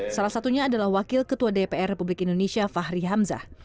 salah satunya adalah wakil ketua dpr republik indonesia fahri hamzah